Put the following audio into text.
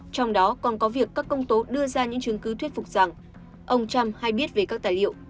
trong đó còn có việc các công tố đưa ra những chứng cứ thuyết phục rằng ông trump hay biết về các tài liệu